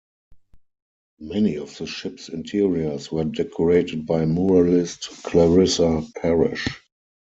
Many of the ship's interiors were decorated by muralist Clarissa Parish.